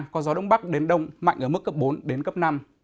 có gió đông bắc đến đông mạnh ở mức cấp bốn đến cấp năm